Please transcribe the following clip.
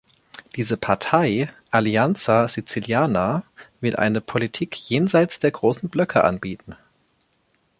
Diese Partei "Alleanza Siciliana" will eine Politik jenseits der großen Blöcke anbieten.